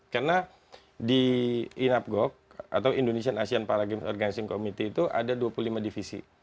karena di inapgog atau indonesian asian para games organizing committee itu ada dua puluh lima divisi